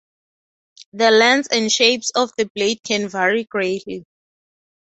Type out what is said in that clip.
The lengths and shapes of the blade can vary greatly.